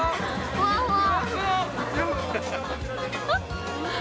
ふわふわ。